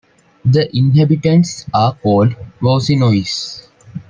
The inhabitants are called "Vouzinois".